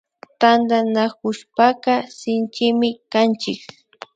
Tantanakushpaka Shinchimi kanchik